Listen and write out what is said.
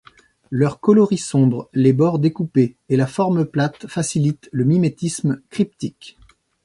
Leur coloris sombre, les bords découpés et la forme plate facilitent le mimétisme cryptique.